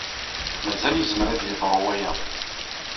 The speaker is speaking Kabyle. Mazal yezmer ad yeḍru waya.